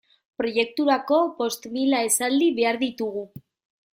Proiekturako bost mila esaldi behar ditugu.